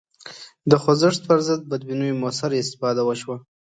د خوځښت پر ضد بدبینیو موثره استفاده وشوه